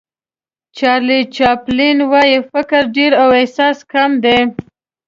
چارلي چاپلین وایي فکر ډېر او احساس کم دی.